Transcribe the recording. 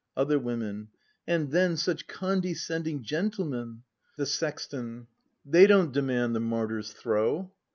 Other Women. And then Such condescending gentlemen! The Sexton. They don't demand the martyr's throe.